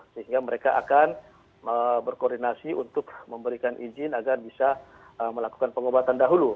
sehingga mereka akan berkoordinasi untuk memberikan izin agar bisa melakukan pengobatan dahulu